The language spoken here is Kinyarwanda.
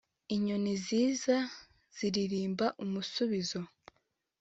inyoni ziza ziririmba umusubizo